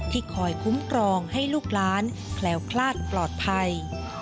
คอยคุ้มครองให้ลูกล้านแคล้วคลาดปลอดภัย